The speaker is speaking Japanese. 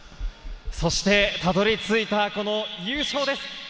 そしてたどり着いた優勝です。